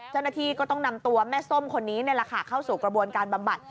เจ้าหน้าที่ก็ต้องนำตัวแม่ส้มคนนี้เข้าสู่กระบวนการบำบัด